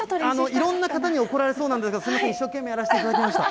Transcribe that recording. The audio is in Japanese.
いろんな方に怒られそうなんですが、一生懸命やらせていただきました。